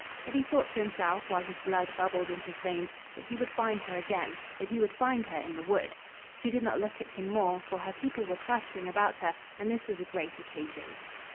But he thought to himself, while his blood bubbled in his veins, that he would find her again; that he would find her in the wood! She did not look at him more, for her people were clustering about her and this was a great occasion.